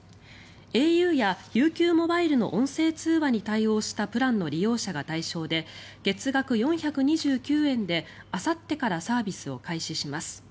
ａｕやＵＱモバイルの音声通話に対応したプランの利用者が対象で月額４２９円で、あさってからサービスを開始します。